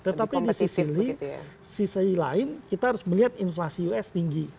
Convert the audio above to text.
tetapi di sisi lain kita harus melihat inflasi us tinggi